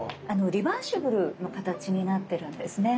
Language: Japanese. リバーシブルの形になってるんですね。